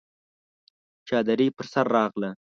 چادري پر سر راغله!